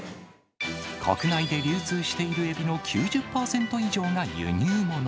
国内で流通しているエビの９０％以上が輸入もの。